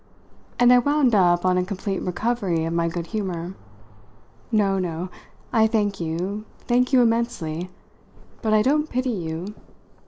And I wound up on a complete recovery of my good humour. "No, no. I thank you thank you immensely. But I don't pity you.